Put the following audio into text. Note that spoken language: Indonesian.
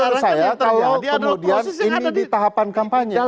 menurut saya kalau kemudian ini di tahapan kampanye